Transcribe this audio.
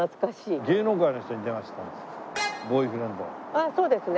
あっそうですね。